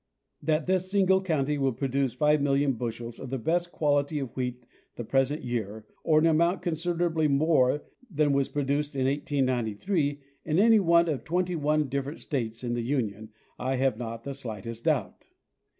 That this single county will produce 5,000,000 bushels of the best quality of wheat the present year, or an amount con siderably more than was produced in 1893 in any one of twenty one different states in the Union, I have not the slightest doubt.